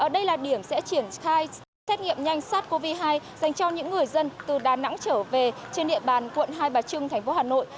đây là điểm sẽ triển khai xét nghiệm nhanh sát covid hai dành cho những người dân từ đà nẵng trở về trên địa bàn quận hai bà trưng thành phố hà nội